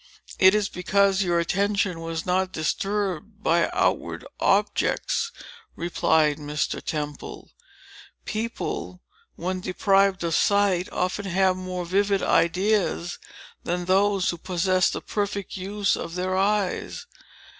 "It is because your attention was not disturbed by outward objects," replied Mr. Temple. "People, when deprived of sight, often have more vivid ideas than those who possess the perfect use of their eyes.